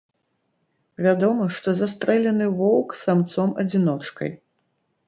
Вядома, што застрэлены воўк самцом-адзіночкай.